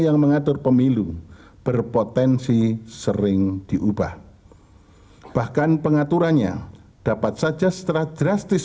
yang mengatur pemilu berpotensi sering diubah bahkan pengaturannya dapat saja setelah drastis